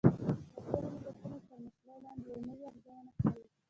د ملګرو ملتونو تر مشرۍ لاندې يوه نوې ارزونه ښيي